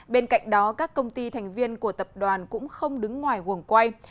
bên cạnh đó các công ty thành viên của tập đoàn cũng không đứng ngoài quần quay